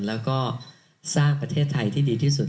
แล้วก็สร้างประเทศไทยที่ดีที่สุด